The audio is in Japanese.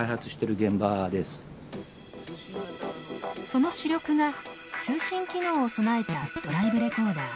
その主力が通信機能を備えたドライブレコーダー。